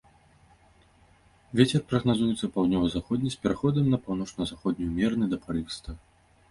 Вецер прагназуецца паўднёва-заходні з пераходам на паўночна-заходні ўмераны да парывістага.